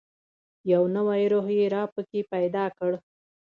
یو نوی روح یې را پکښې پیدا کړ.